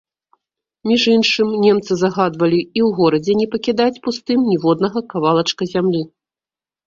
Між іншым, немцы загадвалі і ў горадзе не пакідаць пустым ніводнага кавалачка зямлі.